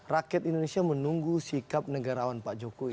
rakyat indonesia menunggu sikap negarawan pak jokowi